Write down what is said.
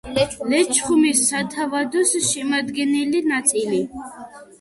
ლეჩხუმის სათავადოს შემადგენელი ნაწილი.